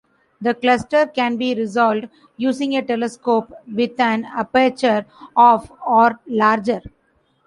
The cluster can be resolved using a telescope with an aperture of or larger.